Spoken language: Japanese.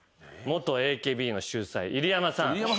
元ＡＫＢの秀才入山さん。